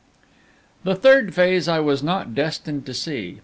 The third phase I was not destined to see.